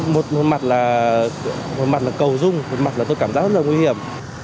một mặt là cầu rung một mặt là tôi cảm giác rất là nguy hiểm